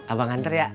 abang antar ya